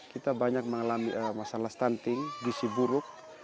kita banyak mengalami masalah stunting gisi buruk